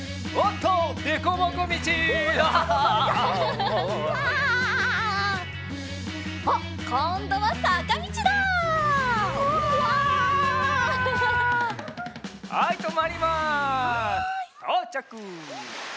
とうちゃく。